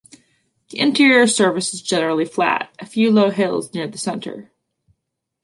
The interior surface is generally flat, a few low hills near the center.